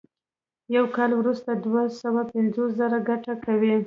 یو کال وروسته دوه سوه پنځوس زره ګټه کوي